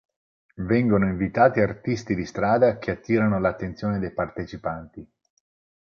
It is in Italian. Vengono invitati artisti di strada che attirano l'attenzione dei partecipanti.